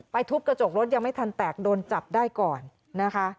ทุบกระจกรถยังไม่ทันแตกโดนจับได้ก่อนนะคะ